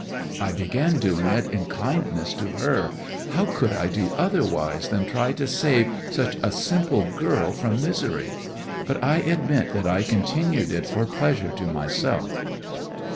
'I began doing it in kindness to her! How could I do otherwise than try to save such a simple girl from misery? But I admit that I continued it for pleasure to myself.